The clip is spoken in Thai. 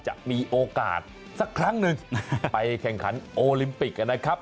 จะมีโอกาสสักครั้งหนึ่งไปแข่งขันโอลิมปิกนะครับ